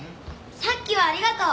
さっきはありがとう。